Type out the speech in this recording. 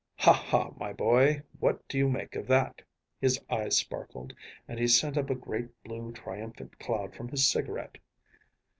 ’ Ha, ha, my boy, what do you make of that?‚ÄĚ His eyes sparkled, and he sent up a great blue triumphant cloud from his cigarette.